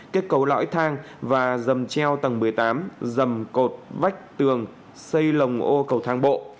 kết cầu lõi thang và dầm treo tầng một mươi tám dầm cột vách tường xây lồng ô cầu thang bộ